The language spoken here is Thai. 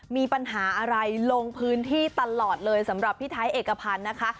มีปัญหาอะไรลงพื้นที่ตลอดเลยสำหรับพี่ไทยเอกพันธ์นะคะ